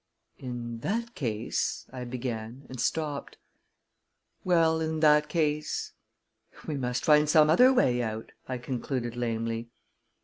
"In that case " I began, and stopped. "Well, in that case?" "We must find some other way out," I concluded lamely.